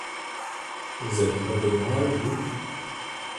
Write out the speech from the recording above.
Vous avez peur de l’orage, vous ?